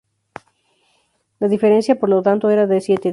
La diferencia por lo tanto era de siete días.